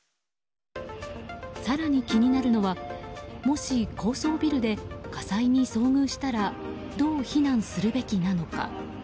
更に気になるのはもし高層ビルで火災に遭遇したらどう避難するべきなのか。